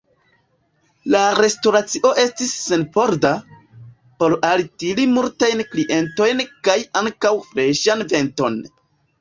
La restoracio estis senporda, por altiri multajn klientojn kaj ankaŭ freŝan venton.